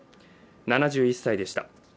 ７１歳でした。